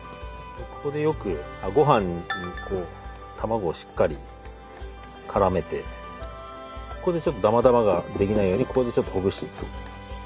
ここでよくごはんに卵をしっかり絡めてちょっとだまだまが出来ないようにここでちょっとほぐしていくと。